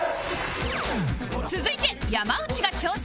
続いて山内が挑戦